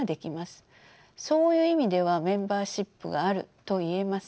そういう意味ではメンバーシップがあると言えます。